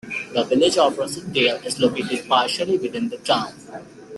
The village of Rosendale is located partially within the town.